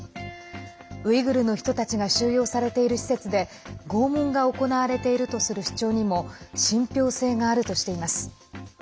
ウイグルの人たちが収容されている施設で拷問が行われているとする主張にも信ぴょう性があるとしています。